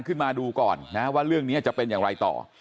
ขึ้นมาดูก่อนนะว่าเรื่องนี้จะเป็นอย่างไรต่อ